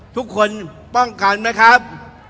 ทุกคนป้องกันไหมครับ